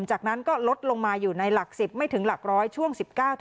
จากนั้นก็ลดลงมาอยู่ในหลัก๑๐ไม่ถึงหลักร้อยช่วง๑๙